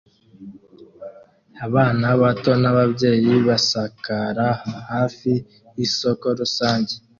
Abana bato n'ababyeyi basakara hafi yisoko rusange